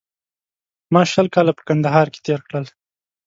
ما شل کاله په کندهار کې تېر کړل